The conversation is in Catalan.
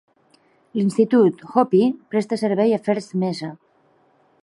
L'institut Hopi presta servei a First Mesa.